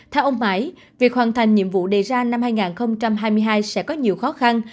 theo ông mãi việc hoàn thành nhiệm vụ đề ra năm hai nghìn hai mươi hai sẽ có nhiều khó khăn